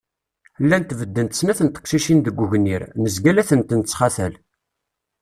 Llant beddent snat n teqcicin deg ugnir, nezga la tent-nettxatal